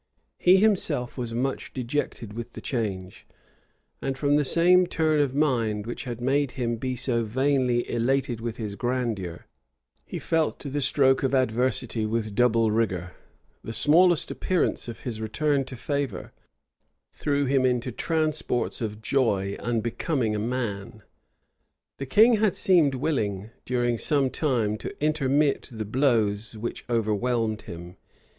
He himself was much dejected with the change; and from the same turn of mind which had made him be so vainly elated with his grandeur, he felt the stroke of adversity with double rigor.[] The smallest appearance of his return to favor threw him into transports of joy unbecoming a man. The king had seemed willing, during some time, to intermit the blows which overwhelmed him.